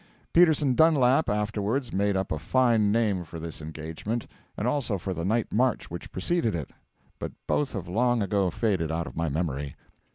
Peterson Dunlap afterwards made up a fine name for this engagement, and also for the night march which preceded it, but both have long ago faded out of my memory.